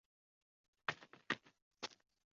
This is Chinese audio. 特拉曼达伊是巴西南大河州的一个市镇。